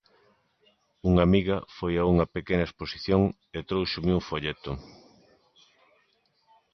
Unha amiga foi a unha pequena exposición e tróuxome un folleto.